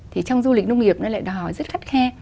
thì trong du lịch nông nghiệp nó lại đòi hỏi rất khắt khe